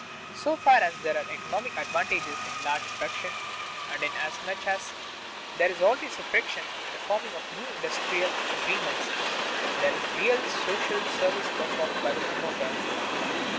So far as there are economic advantages in large production, and inasmuch as there is always friction in the forming of new industrial arrangements, there is a real social service performed by the promoter.